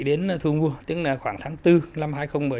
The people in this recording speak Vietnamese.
đến năm hai nghìn hai mươi là khoảng tháng bốn năm hai nghìn một mươi sáu